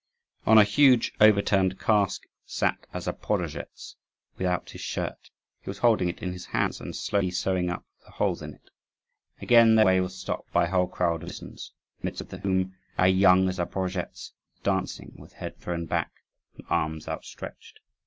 On a huge overturned cask sat a Zaporozhetz without his shirt; he was holding it in his hands, and slowly sewing up the holes in it. Again their way was stopped by a whole crowd of musicians, in the midst of whom a young Zaporozhetz was dancing, with head thrown back and arms outstretched.